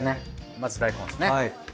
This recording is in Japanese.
まず大根ですね。